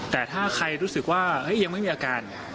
แต่ถ้าใครรู้สึกว่ายังไม่มีอาการ